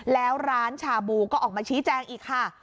แล้วร้านชาบูก็ออกมาชี้แจงอีกค่ะ